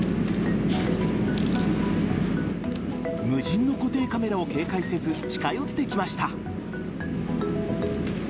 無人の固定カメラを警戒せず近寄ってきました。